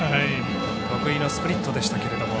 得意のスプリットでしたけども。